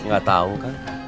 gak tau kan